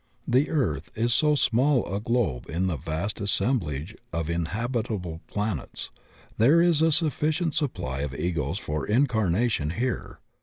The earth is so small a globe in the vast assemblage of inhabitable planets, diere is a sufficient supply of Egos for incarnation here.